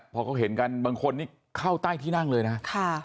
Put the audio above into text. พอเขาเห็นกันบางคนนี่เข้าใต้ที่นั่งเลยนะ